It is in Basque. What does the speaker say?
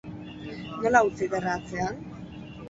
Nola utzi gerra atzean?